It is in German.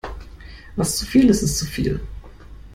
Was zu viel ist, ist zu viel.